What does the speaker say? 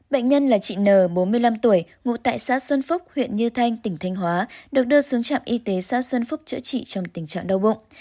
bệnh nhân là chị n bốn mươi năm tuổi ngụ tại xã xuân phúc huyện như thanh tỉnh thanh hóa được đưa xuống trạm y tế xã xuân phúc chữa trị trong tình trạng đau bụng